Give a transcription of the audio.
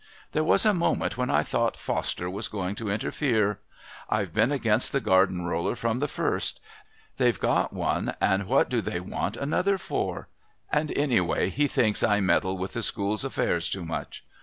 "There was a moment when I thought Foster was going to interfere. I've been against the garden roller from the first they've got one and what do they want another for? And, anyway, he thinks I meddle with the School's affairs too much.